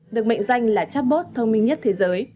được mệnh danh là chatbot thông minh nhất thế giới